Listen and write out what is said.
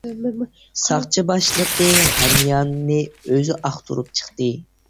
ساقچى باشلىقى ھەمياننى ئۆزى ئاختۇرۇپ چىقتى.